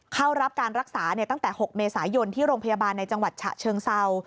เข้ารับการรักษาตั้งแต่๖เมษายนที่โรงพยาบาลในจังหวัดฉะเชิงเศร้า